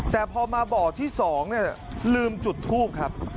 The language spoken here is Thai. แต่พอมาบ่อที่๒ลืมจุดทูบครับ